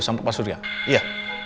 sampai pak surya iya